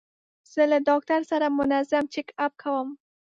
زه له ډاکټر سره منظم چیک اپ کوم.